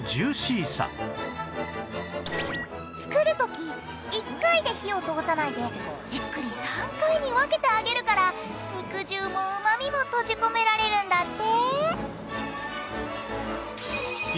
作る時１回で火を通さないでじっくり３回に分けて揚げるから肉汁もうまみも閉じ込められるんだって！